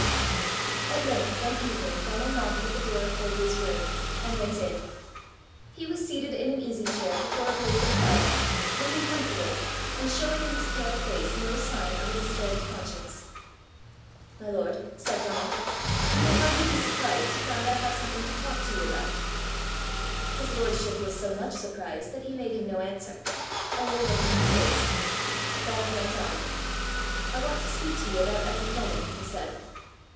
At length one evening Donal knocked at the door of Forgue's room, and went in. He was seated in an easy chair before a blazing fire, looking comfortable, and showing in his pale face no sign of a disturbed conscience. "My lord," said Donal, "you will hardly be surprised to find I have something to talk to you about!" His lordship was so much surprised that he made him no answer only looked in his face. Donal went on: "I want to speak to you about Eppy Comin," he said.